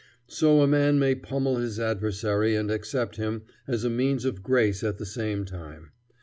So a man may pummel his adversary and accept him as a means of grace at the same time.